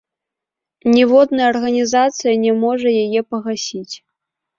Ніводная арганізацыя не можа яе пагасіць.